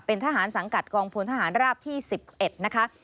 เป็นทหารสังกัดกองพลทหารราบที่๑๑นะคะ